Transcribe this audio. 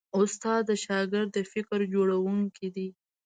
استاد د شاګرد د فکر جوړوونکی دی.